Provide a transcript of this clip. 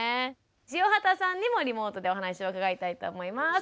塩畑さんにもリモートでお話を伺いたいと思います。